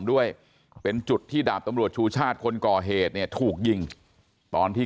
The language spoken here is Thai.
ด้วยเป็นจุดที่ดาบตำรวจชูชาติคนก่อเหตุเนี่ยถูกยิงตอนที่